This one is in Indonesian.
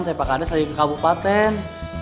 saya pak kades lagi ke kabupaten